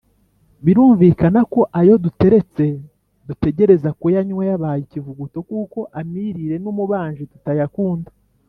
birumvikana ko ayo duteretse dutegereza kuyanywa yabaye ikivuguto kuko amiriren’umubanji tutayakunda